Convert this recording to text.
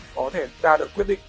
có thể ra được quyết định